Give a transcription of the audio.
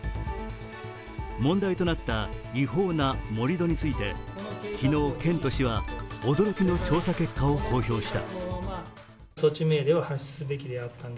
問題となった違法な盛り土について昨日、県と市は驚きの調査結果を公表した。